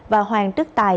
và hoàng tức tài